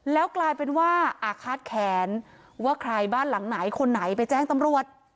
แล้วกลายเป็นว่าอาฆาตแขนว่าใครบ้านหลังไหนคนไหนไปแจ้งตำรวจ